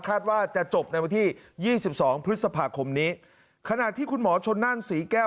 ว่าจะจบในวันที่ยี่สิบสองพฤษภาคมนี้ขณะที่คุณหมอชนนั่นศรีแก้ว